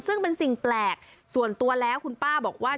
ซึ่งเป็นสิ่งแปลกส่วนตัวแล้วคุณป้าบอกว่า